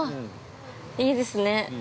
◆いいですね。